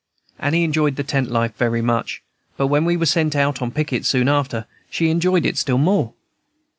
Annie enjoyed the tent life very much; but when we were Sent out on picket soon after, she enjoyed it still more.